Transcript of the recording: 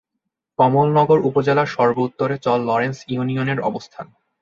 কমলনগর উপজেলার সর্ব-উত্তরে চর লরেন্স ইউনিয়নের অবস্থান।